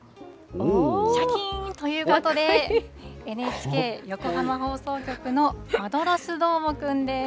しゃきーん！ということで、ＮＨＫ横浜放送局のマドロスどーもくんです。